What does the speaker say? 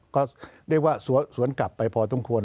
ก็เรียกว่าสวนกลับไปพอสมควร